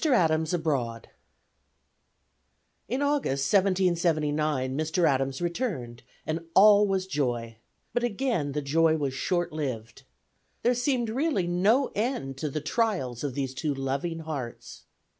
ADAMS ABROAD IN August, 1779, Mr. Adams returned, and all was joy; but again the joy was short lived. There seemed really no end to the trials of these two loving hearts.